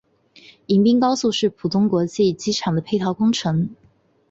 迎宾高速是浦东国际机场的配套工程。